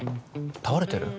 倒れてる？